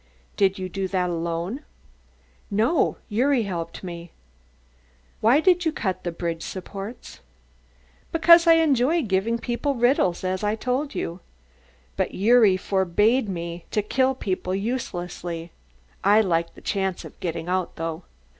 "Did you do that alone?" "No, Gyuri helped me." "Why did you cut the bridge supports?" "Because I enjoy giving people riddles, as I told you. But Gyuri forbade me to kill people uselessly. I liked the chance of getting out though.